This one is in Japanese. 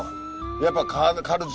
やっぱ。